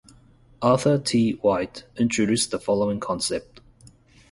Arthur T. White introduced the following concept.